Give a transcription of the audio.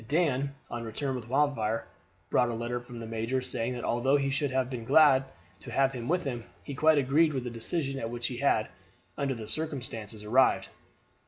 Dan, on his return with Wildfire, brought a letter from the major saying that although he should have been glad to have had him with him, he quite agreed with the decision at which he had, under the circumstances, arrived.